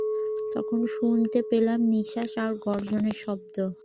তখন শুনতে পেলেন নিঃশ্বাস আর গর্জনের শব্দ।